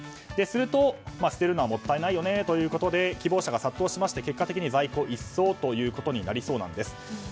すると、捨てるのはもったいないよねということで希望者が殺到しまして結果的には在庫一掃となりそうです。